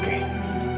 terima kasih pak